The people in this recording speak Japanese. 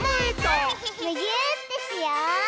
むぎゅーってしよう！